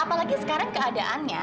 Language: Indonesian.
apalagi sekarang keadaannya